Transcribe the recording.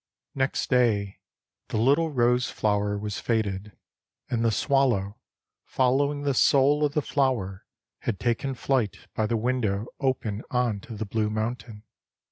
Next day the little rose flower was faded And the swallow, following the soul of the flower, had taken flight By the window open on to the Blue Mountain.